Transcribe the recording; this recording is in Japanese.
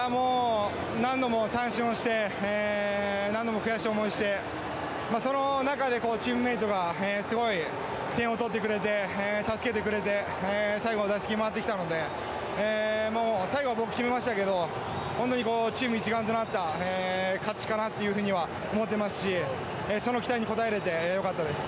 何度も三振をして何度も悔しい思いをしてその中で、チームメートがすごい点を取ってくれて助けてくれて最後、打席、回ってきたので最後は僕、決めましたけど本当にチーム一丸となった勝ちかなとは思っていますしその期待に応えられてよかったです。